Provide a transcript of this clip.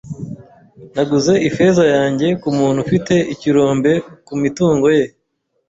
Naguze ifeza yanjye kumuntu ufite ikirombe kumitungo ye.